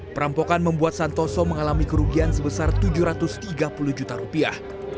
perampokan membuat santoso mengalami kerugian sebesar tujuh ratus tiga puluh juta rupiah